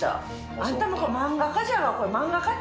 あんたもう漫画家じゃわ、これ。